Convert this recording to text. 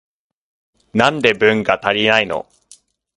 なんで文が足りないの？